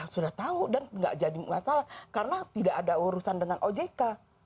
sudah tahu dan tidak jadi masalah karena tidak ada urusan dengan ojk